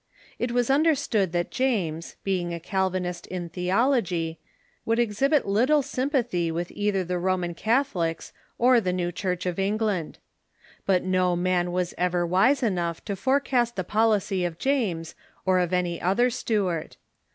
It was understood that James, being a Calvin ist in theology, would exhibit little sympathy with either the Roman Catholics or the new Church of England. But no man was ever wise enough to forecast the policy of elames or of any other Stuart.